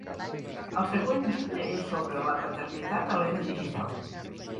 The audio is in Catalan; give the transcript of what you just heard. El seu següent llibre és sobre la paternitat a l"era digital.